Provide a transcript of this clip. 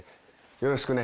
よろしくね。